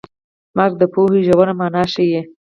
درک د پوهې ژوره مانا ښيي.